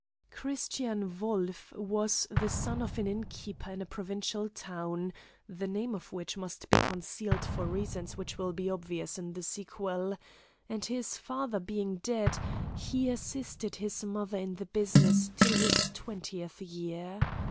Christian Wolf was the son of an innkeeper in a provincial town (the name of which must be concealed for reasons which will be obvious in the sequel), and, his father being dead, he assisted his mother in the business till his twentieth year.